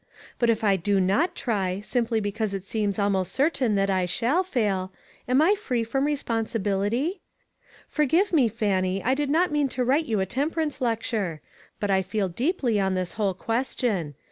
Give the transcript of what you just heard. But if I do not try, simply because it seems almost certain that I shall fail, am I free from responsi bility ? Forgive me, Fannie, I did not mean to write you a temperance lecture ; but I feel deeply on this whole question.